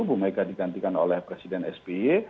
bumeka digantikan oleh presiden sp